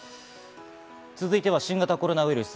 続いては新型コロナウイルス。